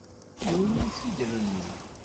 Yiwen ur t-id-rennuɣ.